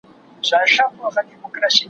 تل به گرځېدی په مار پسي پر پولو